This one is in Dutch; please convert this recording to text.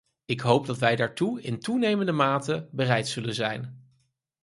Ik hoop dat wij daartoe in toenemende mate bereid zullen zijn.